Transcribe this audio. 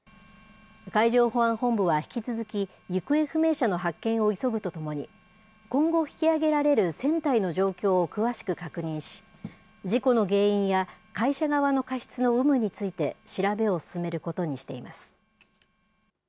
海上保安本部は引き続き、行方不明者の発見を急ぐとともに、今後、引き揚げられる船体の状況を詳しく確認し、事故の原因や会社側の過失の有無について、調べを進めることにしています。